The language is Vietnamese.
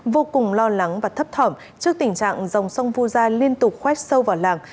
vô cùng lo lắng và thấp thỏm trước tình trạng dòng sông vu gia liên tục khoét sâu vào làng